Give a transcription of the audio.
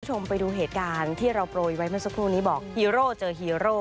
คุณผู้ชมไปดูเหตุการณ์ที่เราโปรยไว้เมื่อสักครู่นี้บอกฮีโร่เจอฮีโร่